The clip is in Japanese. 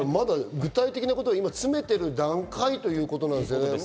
具体的なことを詰めている段階ということですね。